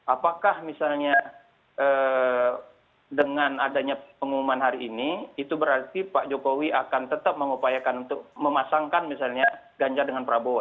apakah misalnya dengan adanya pengumuman hari ini itu berarti pak jokowi akan tetap mengupayakan untuk memasangkan misalnya ganjar dengan prabowo